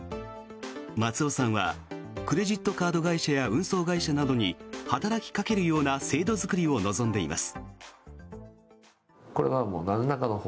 松尾さんはクレジットカード会社や運送会社などに働きかけるような制度作りを望んでいます。